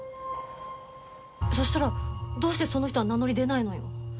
そしたらどうしてその人は名乗り出ないのよ？